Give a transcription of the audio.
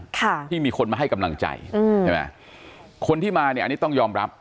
ค่ะที่มีคนมาให้กำลังใจอืมคนที่มาอันนี้ต้องยอมรับ